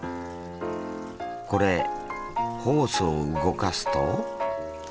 これホースを動かすと。